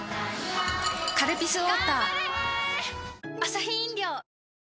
「カルピスウォーター」頑張れー！